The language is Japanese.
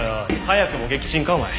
早くも撃沈かお前。